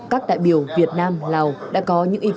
các đại biểu việt nam lào đã có những ý kiến